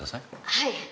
はい。